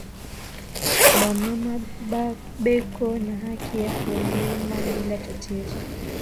Ba mama beko na haki ya kurima bila tatizo